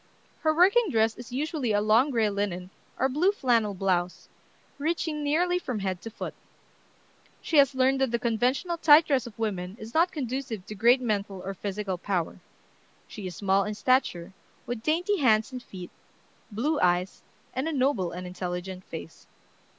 Her working dress is usually a long gray linen or blue flannel blouse, reaching nearly from head to foot. She has learned that the conventional tight dress of women is not conducive to great mental or physical power. She is small in stature, with dainty hands and feet, blue eyes, and a noble and intelligent face.